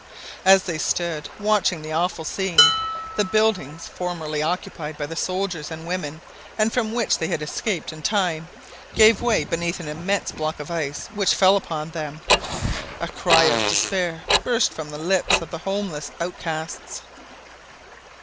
As they stood watching the awful scene, the buildings, formerly occupied by the soldiers and women, and from which they had escaped in time, gave way beneath an immense block of ice which fell upon them. A cry of despair burst from the lips of the houseless outcasts.